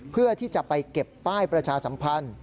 เพื่อที่จะไปเก็บป้ายประชาสัมพันธ์